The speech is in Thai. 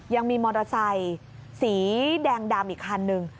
ยังมีมอเตอร์ไซค์สีแดงดำอีกคันนึง